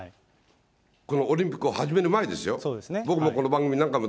このオリンピックを始める前ですよ。